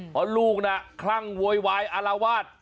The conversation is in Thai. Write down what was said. เพราะลูกน่ะคลั่งโวยวายอารวาส